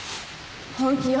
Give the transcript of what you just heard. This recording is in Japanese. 本気よ